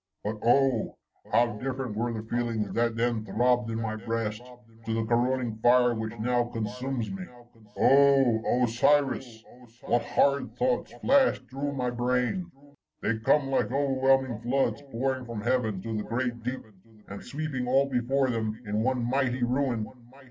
But, oh ! how different were the feelings that then throbbed in my breast, to the corroding fire which now consumes me !— Oh ! Osiris ! what horrid thoughts flash through my brain !— ^they come like overwhelming floods pouring from heaven to the great deep, and sweeping all before them in one mighty ruin.